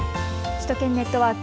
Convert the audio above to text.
首都圏ネットワーク。